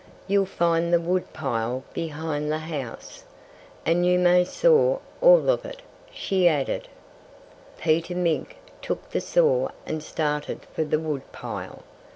You'll find the wood pile behind the house. And you may saw all of it," she added. Peter Mink took the saw and started for the wood pile.